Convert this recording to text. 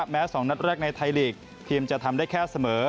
แม้๒นัดแรกในไทยลีกทีมจะทำได้แค่เสมอ